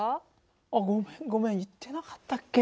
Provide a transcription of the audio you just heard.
あっごめんごめん言ってなかったっけ？